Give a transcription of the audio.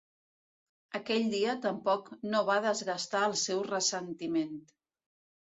Aquell dia tampoc no va desgastar el seu ressentiment.